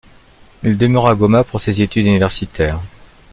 Il demeura à Goma pour ses études universitaires.